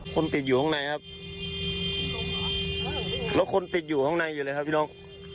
คนติดอยู่ข้างในครับแล้วคนติดอยู่ข้างในอยู่เลยครับพี่น้อง